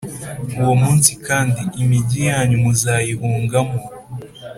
Uwo munsi kandi, imigi yanyu muzayihungamo,